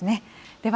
では、